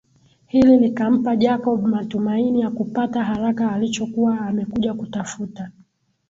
Hili likampa Jacob matumaini ya kupata haraka alichokuwa amekuja kutafuta